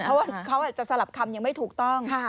เพราะว่าเขาจะสลับคำยังไม่ถูกต้อง